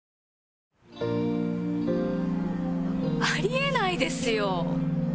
あり得ないですよ！